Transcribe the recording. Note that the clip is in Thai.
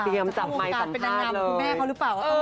เราต้องก่อนดู